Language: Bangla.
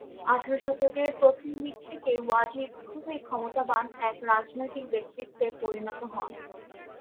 আঠারো শতকের প্রথম দিক থেকেই ওয়াজিদ খুবই ক্ষমতাবান এক রাজনৈতিক ব্যক্তিত্বে পরিণত হন।